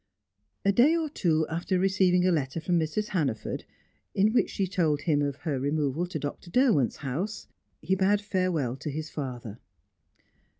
A day or two after receiving a letter from Mrs. Hannaford, in which she told him of her removal to Dr. Derwent's house, he bade farewell to his father.